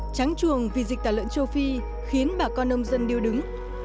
trắng chuồng vì dịch tả lợn châu phi khiến bà con nông dân điêu đứng